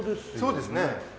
そうですね。